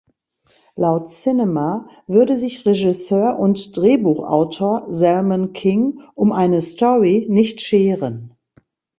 Laut "Cinema" würde sich Regisseur und Drehbuchautor Zalman King um eine Story nicht scheren.